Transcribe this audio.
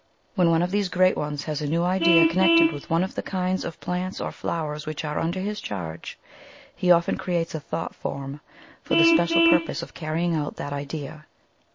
^'When one of these Great Ones has a new idea connected with one of the kinds of plants or flowers which are under his charge, he often creates a thought form for the spe cial purpose of carrying out that idea.